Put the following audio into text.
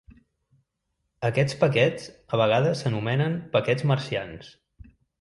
Aquests paquets a vegades s'anomenen Paquets Marcians.